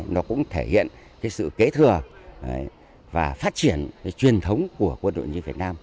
nó cũng thể hiện cái sự kế thừa và phát triển truyền thống của quân đội như việt nam